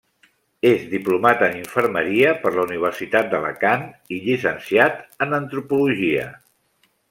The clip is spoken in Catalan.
És diplomat en infermeria per la Universitat d'Alacant i llicenciat en antropologia.